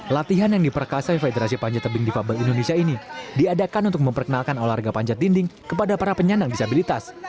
latihan yang diperkasai federasi panjat tebing difabel indonesia ini diadakan untuk memperkenalkan olahraga panjat dinding kepada para penyandang disabilitas